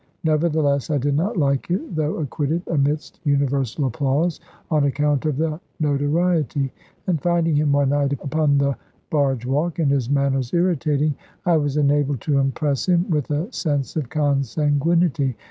Nevertheless I did not like it (though acquitted amidst universal applause) on account of the notoriety; and finding him one night upon the barge walk, and his manners irritating, I was enabled to impress him with a sense of consanguinity.